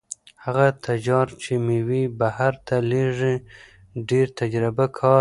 هغه تجار چې مېوې بهر ته لېږي ډېر تجربه کار دی.